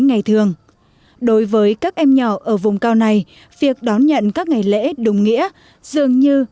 ngày thường đối với các em nhỏ ở vùng cao này việc đón nhận các ngày lễ đúng nghĩa dường như